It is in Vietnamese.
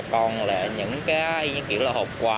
còn những kiểu hộp quà